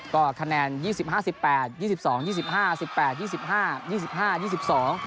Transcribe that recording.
ก็คะแนนยี่สิบห้าสิบแปดยี่สิบสองยี่สิบห้าสิบแปดยี่สิบห้ายี่สิบห้ายี่สิบสอง